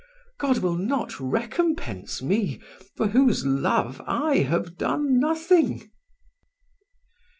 God will not recompense me, for whose love I have done nothing.